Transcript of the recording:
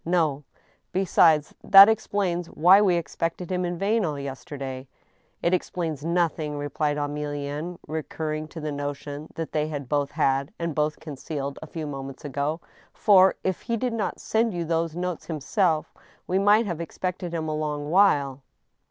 " No. Besides, that explains why we expected him in vain all yesterday." " It explains nothing/' replied Emilienne, recurring to the notion that they had both had, and both concealed, a few moments ago, " for, if he did not send you those notes himself, we might have ex pected him a long while."